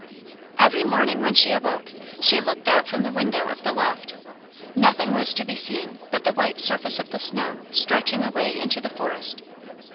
Every morning when she awoke, she looked out from the window of the loft. Nothing was to be seen but the white surface of the snow stretching away into the forest.